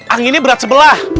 anginnya berat sebelah